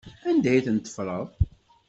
Anda ay ten-teffreḍ?